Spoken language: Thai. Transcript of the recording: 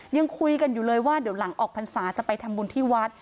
ยังคุยกันอยู่เลยว่าเดี๋ยวหลังออกพรรษาจะไปทำบุญที่วัด